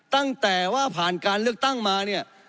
ตั้งแต่ว่าผ่านการเลือกตั้งมาเนี่ย